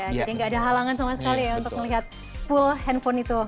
jadi tidak ada halangan sama sekali ya untuk melihat full handphone itu